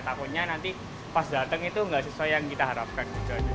takutnya nanti pas datang itu nggak sesuai yang kita harapkan